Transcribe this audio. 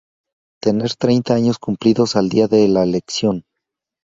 Tener treinta años cumplidos al día de la elección.